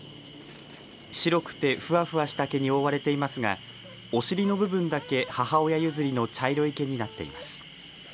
白くてふわふわした毛に覆われていますがお尻の部分だけ母親譲りの茶色い毛になっています。